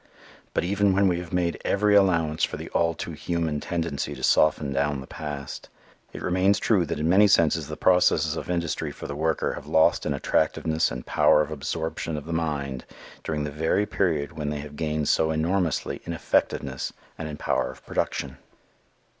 But even when we have made every allowance for the all too human tendency to soften down the past, it remains true that in many senses the processes of industry for the worker have lost in attractiveness and power of absorption of the mind during the very period when they have gained so enormously in effectiveness and in power of production.